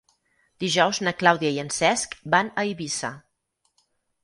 Dijous na Clàudia i en Cesc van a Eivissa.